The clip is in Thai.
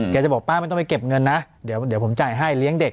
จะบอกป้าไม่ต้องไปเก็บเงินนะเดี๋ยวผมจ่ายให้เลี้ยงเด็ก